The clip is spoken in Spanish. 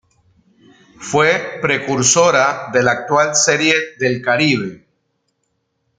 Fue precursora de la actual Serie del Caribe.